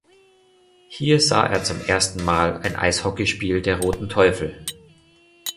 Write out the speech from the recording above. Hier sah er zum ersten Mal ein Eishockeyspiel der „Roten Teufel“.